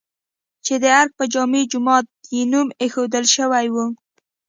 چې د ارګ په جامع جومات یې نوم ايښودل شوی و؟